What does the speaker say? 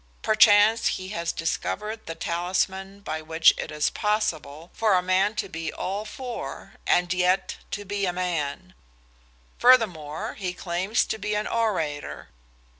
Perchance he has discovered the talisman by which it is possible for a man to be all four, and yet to be a man, Furthermore, he claims to be an orator.